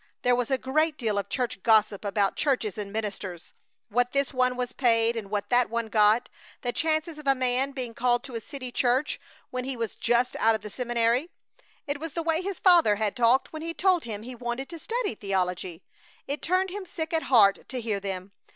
There was a great deal of church gossip about churches and ministers; what this one was paid and what that one got; the chances of a man being called to a city church when he was just out of the seminary. It was the way his father had talked when he told him he wanted to study theology. It turned him sick at heart to hear them.